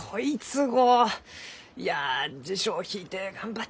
いや辞書を引いて頑張っ